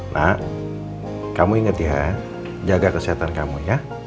nak kamu ingat ya jaga kesehatan kamu ya